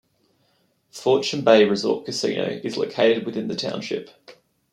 Fortune Bay Resort Casino is located within the township.